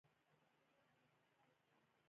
د شنو خونو تولید ټول کال دوام لري.